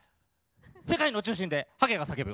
世界の中心ではげが叫ぶ。